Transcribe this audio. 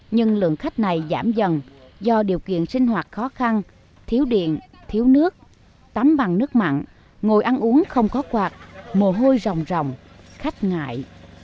nhưng lượng khách này giảm dần do điều kiện sinh hoạt khó khăn thiếu điện thiếu nước tắm bằng nước mặn ngồi ăn uống không có quạt mồ hôi rồng ròng khách ngại